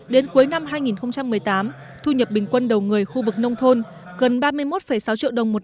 hai nghìn một mươi năm đến cuối năm hai nghìn một mươi tám thu nhập bình quân đầu người khu vực nông thôn gần ba mươi một sáu triệu đồng một